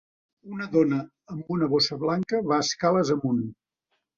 Una dona amb una bossa blanca va escales amunt.